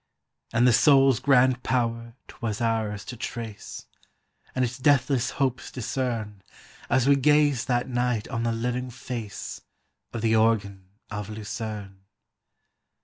" And the soul's grand power 't was ours to trace, And its deathless hopes discern, As we gazed that night on the living face Of the Organ of Lucerne.